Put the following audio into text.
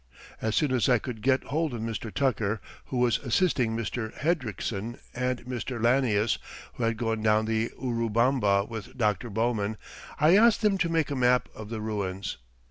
As soon as I could get hold of Mr. Tucker, who was assisting Mr. Hendriksen, and Mr. Lanius, who had gone down the Urubamba with Dr. Bowman, I asked them to make a map of the ruins.